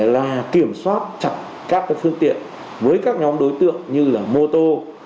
là kiểm soát chặt các phương tiện với các nhóm đối tượng như là mô tô